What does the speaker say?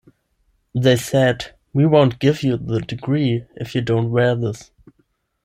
They said, 'We won't give you the degree if you don't wear this.